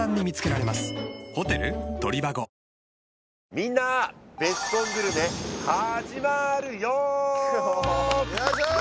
みんなベスコングルメ始まるよよいしょー